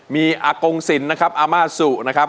มีอากงศิลป์นะครับอาม่าสุนะครับ